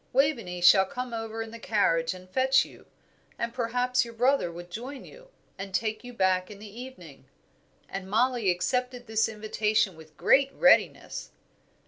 Waveney shall come over in the carriage and fetch you. And perhaps your brother would join you, and take you back in the evening," And Mollie accepted this invitation with great readiness.